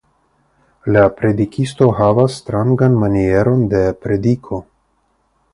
La predikisto havas strangan manieron de prediko.